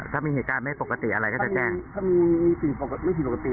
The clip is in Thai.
ถ้ามีเหตุการณ์ไม่ปกติอะไรก็จะแจ้งถ้ามีสิ่งไม่ผิดปกติ